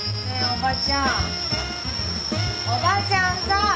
おばちゃんさぁ！